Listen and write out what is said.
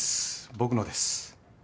僕のです。